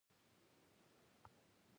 موټر مې خراب شوی دی.